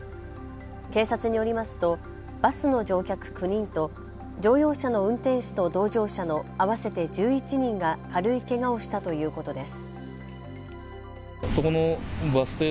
警察によりますとバスの乗客９人と乗用車の運転手と同乗者の合わせて１１人が軽いけがをしたということです。